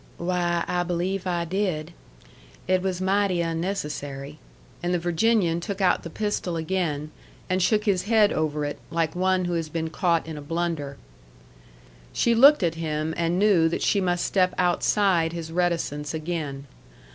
"Why, I believe I did. It was mighty unnecessary." And the Virginian took out the pistol again, and shook his head over it, like one who has been caught in a blunder. She looked at him, and knew that she must step outside his reticence again.